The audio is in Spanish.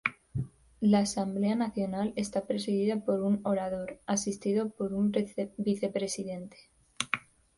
La Asamblea Nacional está presidida por un orador, asistido por un Vicepresidente.